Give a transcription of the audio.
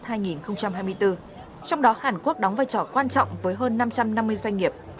trong đó hàn quốc đóng vai trò quan trọng với hơn năm trăm năm mươi doanh nghiệp